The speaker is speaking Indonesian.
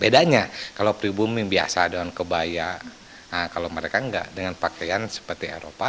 bedanya kalau pribumi biasa dengan kebaya kalau mereka enggak dengan pakaian seperti eropa